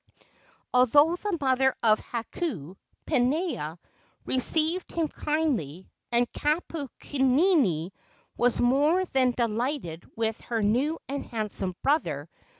Although the mother of Hakau, Pinea received him kindly, and Kapukini was more than delighted with her new and handsome brother.